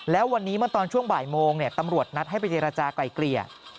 แล้ววันนี้เมื่อตอนช่วงบ่ายโมงตำรวจนัดให้ไปเจรจากลายเกลี่ย